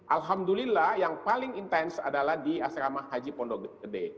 alhamdulillah yang paling intens adalah di asrama haji pondok gede